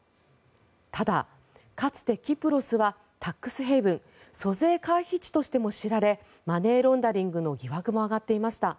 ただ、かつてキプロスはタックスヘイブン・租税回避地とも知られマネーロンダリングの疑惑も上がっていました。